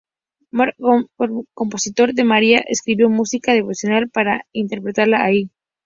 Marc-Antoine Charpentier, compositor de María, escribió música devocional para ser interpretada allí.